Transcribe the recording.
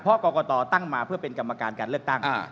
เพราะกรกตตั้งมาเพื่อเป็นกรรมการการเลือกตั้ง